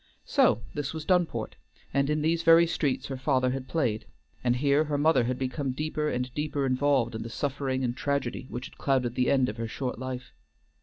So this was Dunport, and in these very streets her father had played, and here her mother had become deeper and deeper involved in the suffering and tragedy which had clouded the end of her short life.